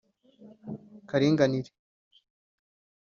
” Karinganire